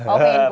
oh pengen punya